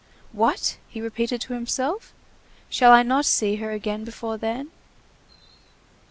"What!" he repeated to himself, "shall I not see her again before then!"